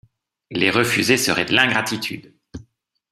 Les refuser serait de l’ingratitude !